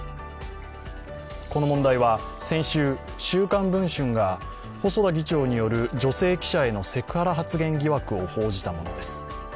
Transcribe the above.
この問題は先週、「週刊文春」が細田議長による、女性記者へのセクハラ発言疑惑を報じたものです。